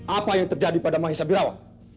apa yang terjadi pada maesha birawa